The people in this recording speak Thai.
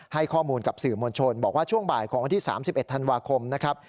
ให้ข้อมูลกับสื่อมวลชนบอกว่าช่วงบ่ายของวันที่๓๑ธันวาคมนะครับ